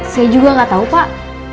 saya juga gak tau pak